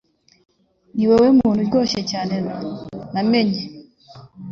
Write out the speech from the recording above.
Ni wowe muntu uryoshye cyane namenye